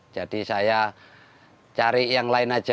jadi saya cari yang lain saja